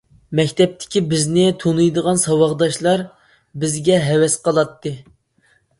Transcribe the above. مەكتەپتىكى بىزنى تونۇيدىغان ساۋاقداشلار بىزگە ھەۋەس قىلاتتى.